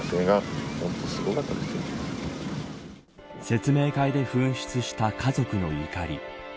説明会で噴出した家族の怒り。